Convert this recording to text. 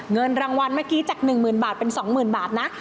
เงินรางวัลเมื่อกี้จาก๑หมื่นบาทเป็น๒หมื่นบาทนะ